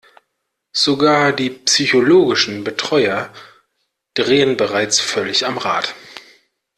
Sogar die psychologischen Betreuer drehen bereits völlig am Rad.